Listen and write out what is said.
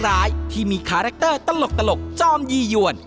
ร้าน